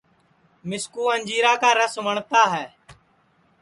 مِسکُو اَنجیرا کا رس وٹؔتا ہے